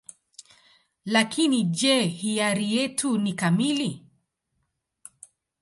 Lakini je, hiari yetu ni kamili?